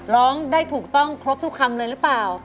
ร้องได้ถูกต้องครบทุกคำเลยหรือเปล่า